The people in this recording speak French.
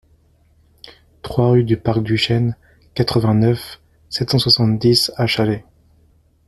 trois rue du Parc du Chêne, quatre-vingt-neuf, sept cent soixante-dix à Chailley